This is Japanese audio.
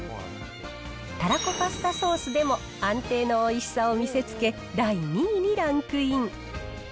たらこパスタソースでも安定のおいしさを見せつけ、第２位にランクイン。